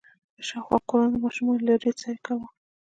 د شاوخوا کورونو ماشومانو له لېرې سيل کوه.